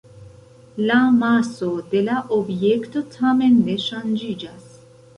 La maso de la objekto tamen ne ŝanĝiĝas.